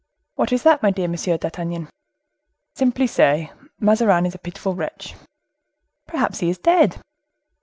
"What is that, my dear Monsieur d'Artagnan?" "Simply say: 'Mazarin was a pitiful wretch.'" "Perhaps he is dead."